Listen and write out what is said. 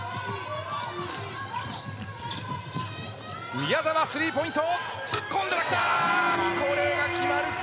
宮澤、スリーポイント。